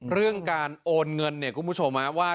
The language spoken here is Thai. เรื่องการโอนเงินเนี่ยคุณผู้ชมว่า